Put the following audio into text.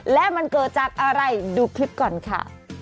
และมันเกิดจากอะไรดูคลิปก่อนค่ะ